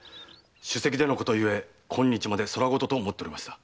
酒席でのことゆえ空言と思っておりました。